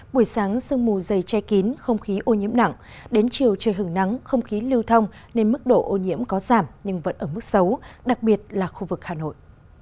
buổi sáng sương mù dày che kín không khí ô nhiễm nặng đến chiều trời hừng nắng không khí lưu thông nên mức độ ô nhiễm có giảm nhưng vẫn ở mức xấu đặc biệt là khu vực hà nội